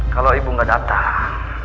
kalau ibu gak datang